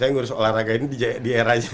saya ngurus olahraga ini di eranya